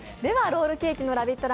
ロールケーキのラヴィット！